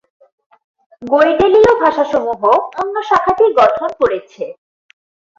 গইডেলীয় ভাষাসমূহ অন্য শাখাটি গঠন করেছে।